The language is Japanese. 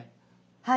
はい。